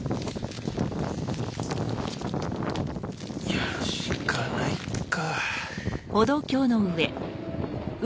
やるしかないか。